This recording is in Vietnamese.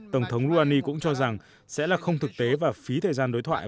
tổng thống rouhani cũng cho rằng sẽ là không thực tế và phí thời gian đối thoại